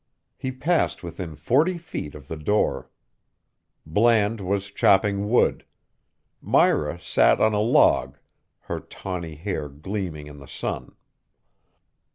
He passed within forty feet of the door. Bland was chopping wood; Myra sat on a log, her tawny hair gleaming in the sun.